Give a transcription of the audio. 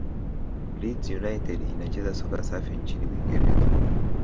leeds united inacheza soka safi nchini uingereza